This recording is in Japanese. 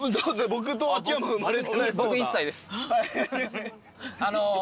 僕１歳です。